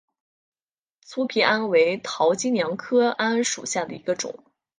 粗皮桉为桃金娘科桉属下的一个种。